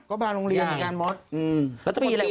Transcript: ก็บาปโรงเรียนนะคะนาว้าว